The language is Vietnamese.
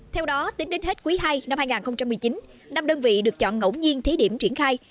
theo đó tính đến hết quý ii năm hai nghìn một mươi chín năm đơn vị được chọn ngẫu nhiên thí điểm triển khai